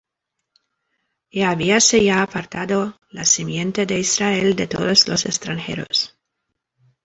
Y habíase ya apartado la simiente de Israel de todos los extranjeros;